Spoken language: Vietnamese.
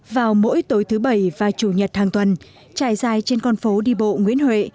vào mỗi tối thứ bảy và chủ nhật hàng tuần trải dài trên con phố đi bộ nguyễn huệ